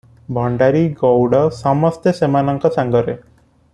ଭଣ୍ତାରୀ ଗଉଡ଼ ସମସ୍ତେ ସେମାନଙ୍କ ସାଙ୍ଗରେ ।